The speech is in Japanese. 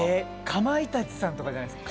かまいたちさんとかじゃないですか？